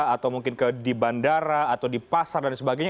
atau mungkin di bandara atau di pasar dan sebagainya